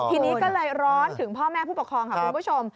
ทีนี้ก็เลยร้อนถึงพ่อแม่ผู้ปกครองค่ะคุณผู้ชม